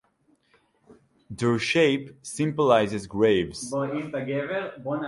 Their shape symbolizes graves.